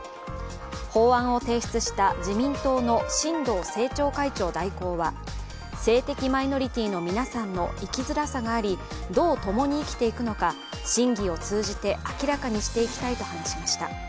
法案を提出した自民党の新藤政調会長代行は性的マイノリティの皆さんの生きづらさがあり、どう共に生きていくのか、審議を通じて明らかにしていきたいと話しました。